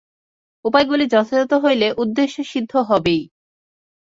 উপায়গুলি যথাযথ হইলে উদ্দেশ্যসিদ্ধি হইবেই।